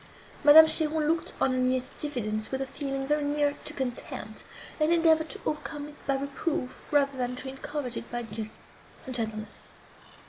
Madame Cheron looked on her niece's diffidence with a feeling very near to contempt, and endeavoured to overcome it by reproof, rather than to encourage it by gentleness.